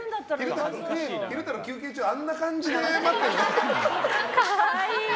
昼太郎、休憩中あんな感じで待ってるんだ。